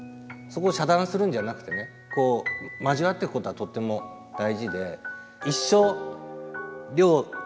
そこ遮断するんじゃなくてねこう交わってくことはとっても大事で。